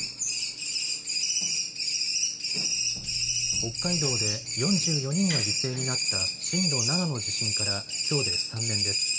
北海道で４４人が犠牲になった震度７の大地震からきょうで３年です。